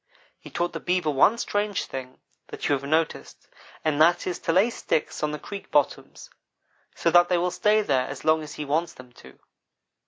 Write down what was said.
He taught the Beaver one strange thing that you have noticed, and that is to lay sticks on the creek bottoms, so that they will stay there as long as he wants them to.